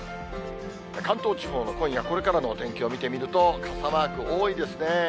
関東地方の今夜これからのお天気を見てみると、傘マーク多いですね。